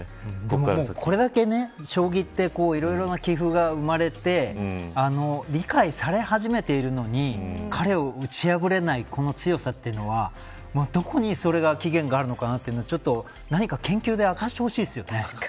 これだけ将棋っていろいろな棋風が生まれて理解され始めているのに彼を打ち破れないこの強さっていうのはどこに、それが起源があるのかなというのが何か研究で明かしてほしいですね。